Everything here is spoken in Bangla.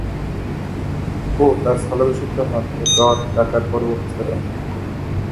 কো তার স্থলাভিষিক্ত হন ও দর ডাকার পরবর্তী স্তরে অংশ নেন।